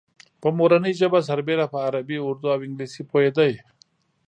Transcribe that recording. په مورنۍ ژبه سربېره په عربي، اردو او انګلیسي پوهېده.